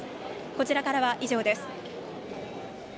こちらからは以上です。